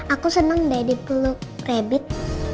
aku senang daddy peluk rebit